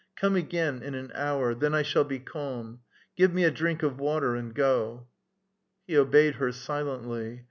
Come again in an hour. Then I shall be calm. Give me a drink of water, and go!" He obeyed her silently.